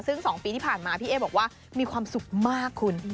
ซึ่ง๒ปีที่ผ่านมาพี่เอ๊บอกว่ามีความสุขมากคุณ